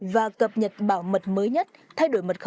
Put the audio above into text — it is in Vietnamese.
và cập nhật bảo mật mới nhất thay đổi mật khẩu